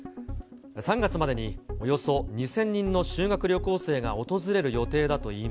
３月までにおよそ２０００人の修学旅行生が訪れる予定だといい